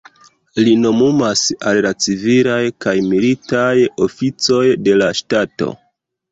Li nomumas al la civilaj kaj militaj oficoj de la ŝtato.